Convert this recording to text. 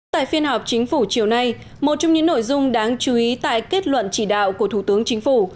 tại phiên họp chính phủ chiều nay một trong những nội dung đáng chú ý tại kết luận chỉ đạo của thủ tướng chính phủ